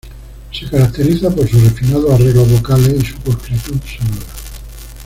Se caracteriza por sus refinados arreglos vocales y su pulcritud sonora.